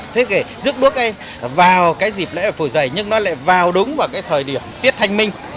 thế kể rước đuốc ấy vào cái dịp lễ hội phủ dây nhưng nó lại vào đúng vào cái thời điểm tiết thanh minh